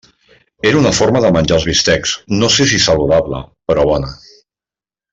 Era una forma de menjar els bistecs, no sé si saludable, però bona.